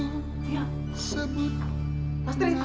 saya akan melihatnya